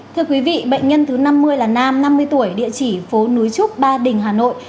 thưa quý vị bệnh nhân thứ năm mươi là nam năm mươi tuổi địa chỉ phố núi trúc ba đình hà nội